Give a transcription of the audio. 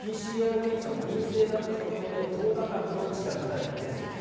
ＰＣＲ検査も陰性だったところで１０日間の自宅待機です。